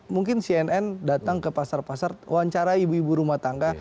mungkin cnn datang ke pasar pasar wawancara ibu ibu rumah tangga